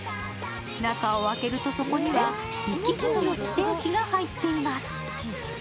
中を開けるとそこには壱岐牛のステーキが入っています。